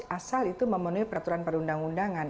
asal itu memenuhi peraturan perundang undangan